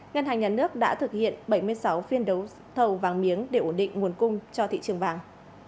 ngân hàng nhà nước đã thực hiện bảy mươi sáu phiên đấu thầu vàng miếng để ổn định nguồn cung cho thị trường vàng